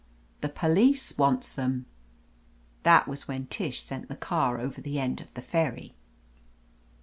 The police wants them." That was when Tish sent the car over the end of the ferry.